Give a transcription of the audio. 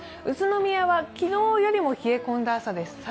宇都宮は昨日よりも冷え込んだ朝です。